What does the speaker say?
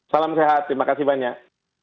salam sehat terima kasih banyak